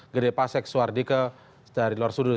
gede pasek suhardike dari luar studio